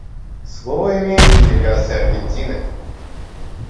Слово имеет делегация Аргентины.